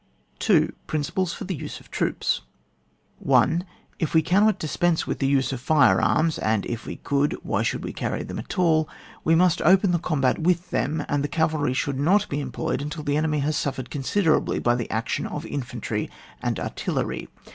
n.— PRINCIPLES FOR THE USE OF TROOPS. 1. If we cannot dispense with the use of flre arms (and if we could, why should we carry them at aU?) we must open the combat with them, and the cavalry should not be employed imtil the enemy has suffered considerably by the action of infantry and artillery.